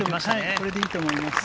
これでいいと思います。